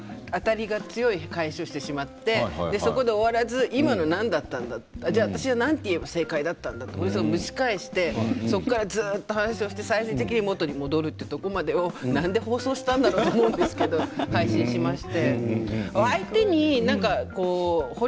堀井さんが聞いたことに私が当たりが強い返しをしてしまってそこで終わらず今のは何だった？と私は何を言えば正解だったのかと蒸し返してそこから話をして最終的に元に戻るというところまでをなんで放送したんだろうということなんですが配信しました。